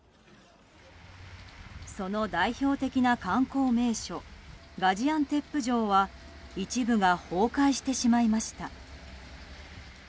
その代表的な観光名所ガジアンテップ城は一部が崩壊してしまいました。